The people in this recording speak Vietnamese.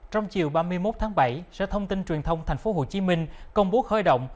trong chiều ba mươi một tháng bảy sở thông tin truyền thông tp hcm công bố khởi động